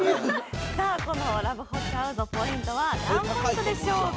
さあこの「“ラブホちゃうぞ！”」ポイントは何ポイントでしょうか？